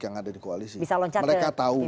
yang ada di koalisi mereka tahu